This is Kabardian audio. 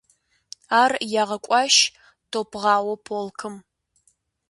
Ар ягъэкӏуащ топгъауэ полкым.